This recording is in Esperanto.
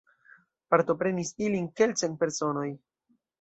Partoprenis ilin kelkcent personoj.